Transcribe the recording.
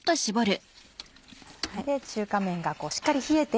中華めんがしっかり冷えて。